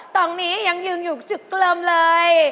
ตรงนี้ยังยืนอยู่จึกเริ่มเลย